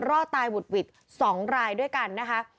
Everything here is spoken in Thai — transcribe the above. รอดตายหุดหวิด๒รายด้วยกันนะคะ